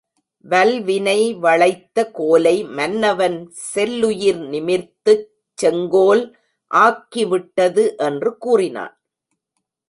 வல்வினை வளைத்த கோலை மன்னவன் செல்லுயிர் நிமிர்த்துச் செங்கோல் ஆக்கிவிட்டது, என்று கூறினான்.